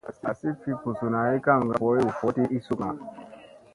Asi fi buzuna ay kaŋga vooy hu voɗti ii sukŋga.